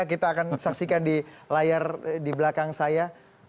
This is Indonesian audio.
kita akan saksikan di layar di belakang saya